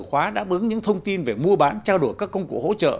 khóa đáp ứng những thông tin về mua bán trao đổi các công cụ hỗ trợ